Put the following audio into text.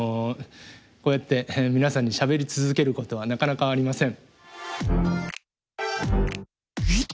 こうやって皆さんにしゃべり続けることはなかなかありません。